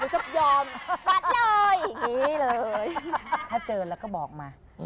หนูจะคิดยอม